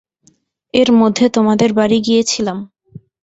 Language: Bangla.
এর মধ্যে তোমাদের বাড়ি গিয়েছিলাম।